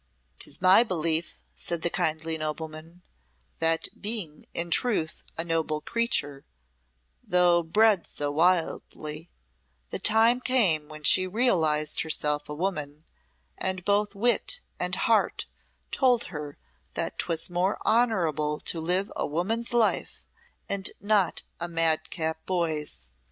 "'Tis my belief," said the kindly nobleman, "that being in truth a noble creature, though bred so wildly, the time came when she realised herself a woman, and both wit and heart told her that 'twas more honourable to live a woman's life and not a madcap boy's.